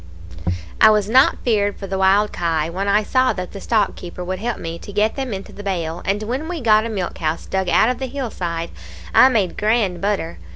"I was not feared for the wild kye when I saw that the stockkeeper would help me to get them into the bail; and when we got a milk house dug out of the hill side, I made grand butter.